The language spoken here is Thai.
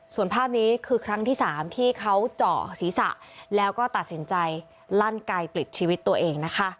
ส่วนภาพนี้คือครั้งที่๓ที่เขาเจาะศีรษะแล้วก็ตัดสินใจลั่นไกลกลิดชีวิตตัวเองนะคะ